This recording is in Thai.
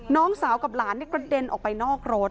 น้องสาวกับหลานกระเด็นออกไปนอกรถ